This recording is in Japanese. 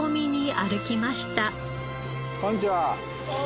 あっこんにちは！